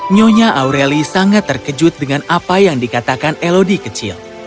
nyonya aureli sangat terkejut dengan apa yang dikatakan elodi kecil